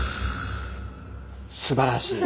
すばらしい！